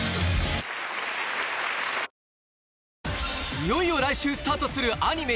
いよいよ来週スタートするアニメ